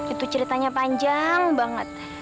itu ceritanya panjang banget